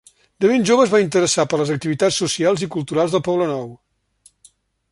De ben jove es va interessar per les activitats socials i culturals del Poblenou.